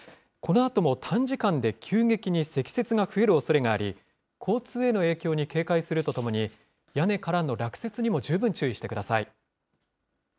このあとも短時間で急激に積雪が増えるおそれがあり、交通への影響に警戒するとともに、屋根からの落雪にも十分注意してください。